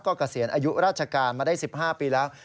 เกษียณอายุราชการมาได้๑๕ปีแล้ว